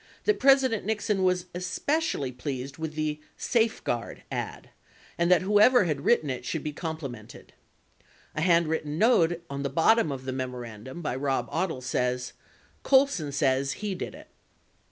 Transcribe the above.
Haldeman wrote to Magruder on August 6, 1970, that Presi dent Nixon was especially pleased with the "Safeguard ad" and that whoever had written it should be complimented. A hand written note on the bottom of the memorandum by Rob Odle says "Colson says he did it."